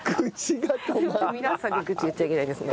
皆さんに愚痴言っちゃいけないですね。